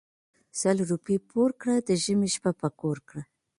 سل روپی پور کړه د ژمي شپه په کور کړه .